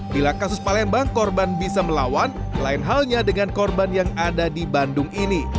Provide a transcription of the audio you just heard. bila kasus palembang korban bisa melawan lain halnya dengan korban yang ada di bandung ini